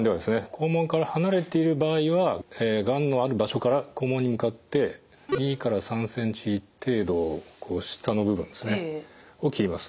肛門から離れている場合はがんのある場所から肛門に向かって２から３ｃｍ程度下の部分を切ります。